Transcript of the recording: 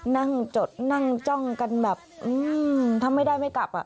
นั่งจดนั่งจ้องกันแบบถ้าไม่ได้ไม่กลับอ่ะ